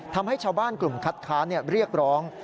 ทำให้ชาวบ้านกลุ่มคัดค้านเรียกร้อง